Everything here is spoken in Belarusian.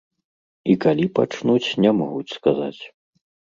І калі пачнуць, не могуць сказаць.